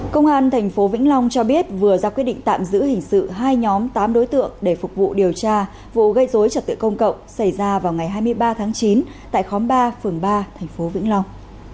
công an tp vĩnh long cho biết vừa ra quyết định tạm giữ hình sự hai nhóm tám đối tượng để phục vụ điều tra vụ gây dối trật tự công cộng xảy ra vào ngày hai mươi ba tháng chín tại khóm ba phường ba tp vĩnh long